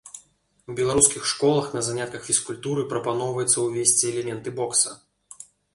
У беларускіх школах на занятках фізкультуры прапаноўваецца ўвесці элементы бокса.